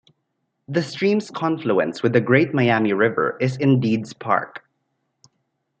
The stream's confluence with the Great Miami River is in Deeds Park.